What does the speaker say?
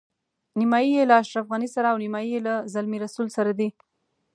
نیمایي یې له اشرف غني سره او نیمایي له زلمي رسول سره دي.